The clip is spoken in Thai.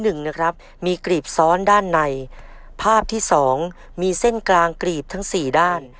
หนึ่งนะครับมีกรีบซ้อนด้านในภาพที่สองมีเส้นกลางกรีบทั้งสี่ด้าน